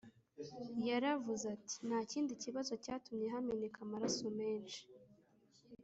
yaravuze ati nta kindi kibazo cyatumye hameneka amaraso menshi